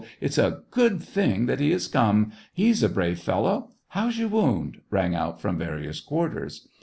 it's a good thing trhat he has come ! He's a brave fel low !... How's your wound t " rang out from various quarters.